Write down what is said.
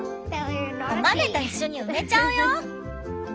お豆といっしょに埋めちゃうよ！